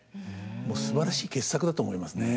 すばらしい傑作だと思いますね。